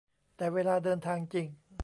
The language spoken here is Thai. แต่เวลาเดินทางจริง